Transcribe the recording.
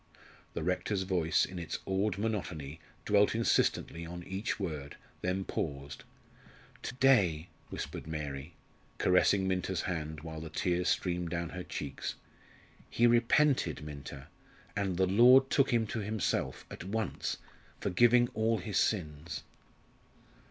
"_ The rector's voice, in its awed monotony, dwelt insistently on each word, then paused. "To day," whispered Mary, caressing Minta's hand, while the tears streamed down her cheeks; "he repented, Minta, and the Lord took him to Himself at once forgiving all his sins."